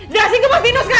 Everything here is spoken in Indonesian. jelasin ke mas dino sekarang